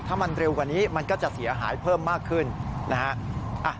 ถ้ามันเร็วกว่านี้มันก็จะเสียหายเพิ่มมากขึ้นนะฮะ